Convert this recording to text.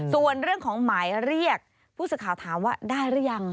ส่วนเรื่องของหมายเรียกผู้สื่อข่าวถามว่าได้หรือยัง